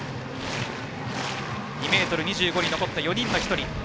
２ｍ２５に残った４人の１人。